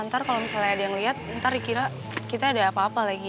ntar kalau misalnya ada yang lihat ntar dikira kita ada apa apa lagi